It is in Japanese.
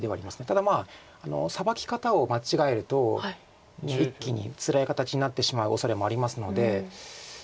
ただサバキ方を間違えるともう一気につらい形になってしまうおそれもありますので。